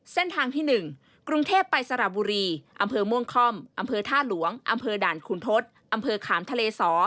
เส้นทางที่๑กรุงเทพไปสระบุรีอำเภอม่วงค่อมอำเภอท่าหลวงอำเภอด่านขุนทศอำเภอขามทะเลสอ